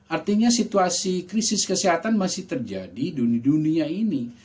artinya situasi krisis kesehatan masih terjadi di dunia ini